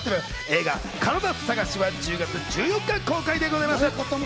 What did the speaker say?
映画『カラダ探し』は１０月１４日公開でございます。